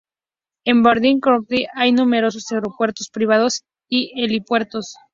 En Baldwin County hay numerosos aeropuertos privados y helipuertos.